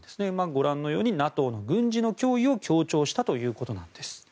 ご覧のようにＮＡＴＯの軍事の脅威を強調したということなんです。